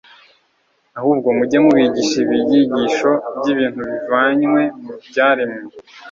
ahubwo mujye mubigisha ibyigisho by'ibintu bivanywe mu byaremwe,